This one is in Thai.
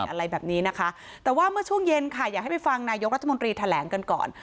อะไรแบบนี้นะคะแต่ว่าเมื่อช่วงเย็นค่ะอยากให้ไปฟังนายกรัฐมนตรีแถลงกันก่อน